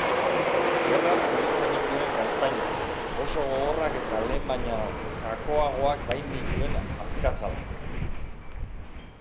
Erraz zuritzen nituen gaztainak, oso gogorrak eta lehen baino kakoagoak bainituen azkazalak.